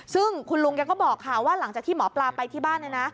ซึ่งคุณลุงแกก็บอกค่ะว่าหลังจากที่หมอปลาไปที่บ้านเนี่ยนะ